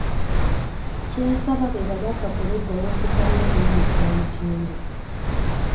Kyensaba be babaka ku ludda oluvuganya okuyimusa omutindo.